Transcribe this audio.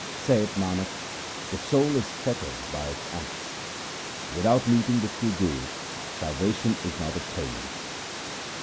Saith Nanak, the soul is fettered by its acts. Without meeting the true Guru salvation is not obtained.